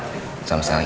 maaf saya ngerebutin kamu